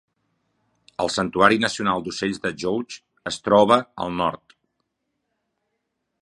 El santuari nacional d'ocells de Djoudj es troba al nord.